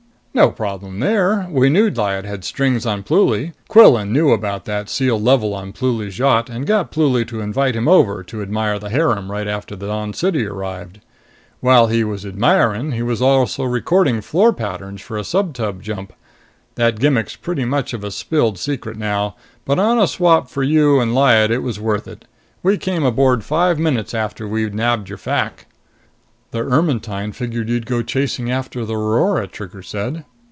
"No problem there. We knew Lyad had strings on Pluly. Quillan knew about that sealed level on Pluly's yacht and got Pluly to invite him over to admire the harem right after the Dawn City arrived. While he was admiring, he was also recording floor patterns for a subtub jump. That gimmick's pretty much of a spilled secret now, but on a swap for you and Lyad it was worth it. We came aboard five minutes after we'd nabbed your fac." "The Ermetyne figured you'd go chasing after the Aurora," Trigger said.